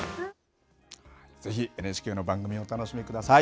ぜひ、ＮＨＫの番組をお楽しみください。